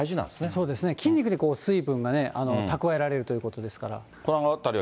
そうですね、筋肉に水分がね、蓄えられるということですから。